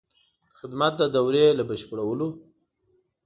د خدمت د دورې له بشپړولو.